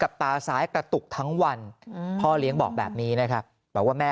กับตาสายกระตุกทั้งวันพ่อริย์ก็แบบนี้นะครับว่าแม่